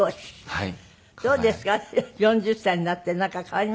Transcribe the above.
はい。